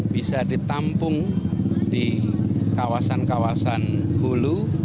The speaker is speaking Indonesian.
bisa ditampung di kawasan kawasan hulu